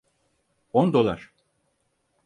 On dolar.